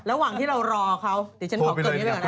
ระหว่างที่เรารอเขาเดี๋ยวก่อนช่วยรับโทรศัพท์เลยนะ